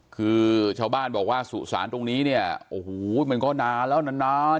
คือชาวบ้านบอกว่าสุสานตรงนี้เนี่ยโอ้โหมันก็นานแล้วนานนาน